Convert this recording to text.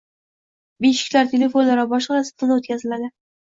Beshiklar, telefonlar va boshqalar sinovdan o'tkaziladi.